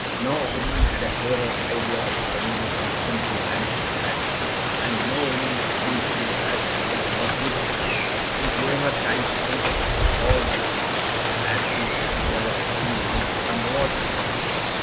No woman had a clearer idea of feminine constancy than she had, and no woman had sinned against that idea more deeply. He gave her time to think of all this as he sat there looking down upon the water.